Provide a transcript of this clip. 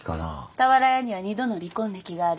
俵屋には二度の離婚歴がある。